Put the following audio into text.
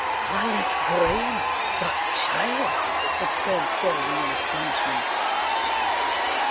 "Alice Graham! That child!" exclaimed Selwyn in astonishment.